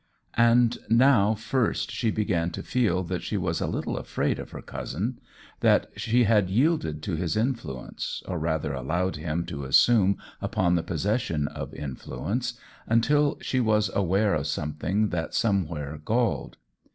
And now first she began to feel that she was a little afraid of her cousin that she had yielded to his influence, or rather allowed him to assume upon the possession of influence, until she was aware of something that somewhere galled.